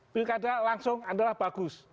pilkada langsung adalah bagus